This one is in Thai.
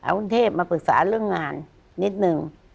เอากรุงเทพมาปรึกษาเรื่องงานนิดนึง